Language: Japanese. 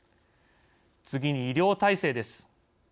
次に医療体制です。